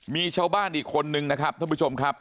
มีชาวบ้านอีกคนนึงนะครับท่านผู้ชมครับ